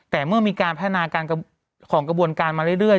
แต่เมื่อมีการพัฒนาการของกระบวนการมาเรื่อย